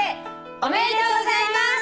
おめでとうございます。